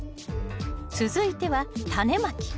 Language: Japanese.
続いてはタネまき。